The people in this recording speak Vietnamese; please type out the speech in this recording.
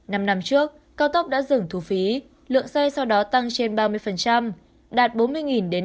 năm năm trước cao tốc đã dừng thú phí lượng xe sau đó tăng trên ba mươi